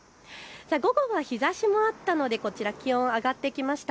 午後は日ざしもあったのでこちら気温、上がってきました。